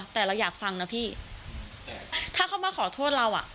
แต่เราอยากฟังนะพี่ถ้าเขามาขอโทษเราอ่ะ